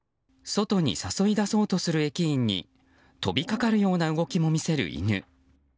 外に誘い出そうとする駅員に飛びかかるような動きも見せる犬。